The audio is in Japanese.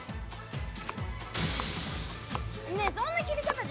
ねえそんな切り方で。